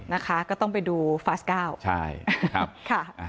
นะคะก็ต้องไปดูฟาส๙ใช่ครับ